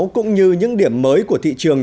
cũng như những điểm mới của thị trường